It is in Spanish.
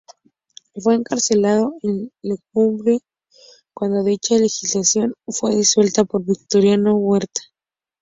Fue encarcelado en Lecumberri cuando dicha legislatura fue disuelta por Victoriano Huerta.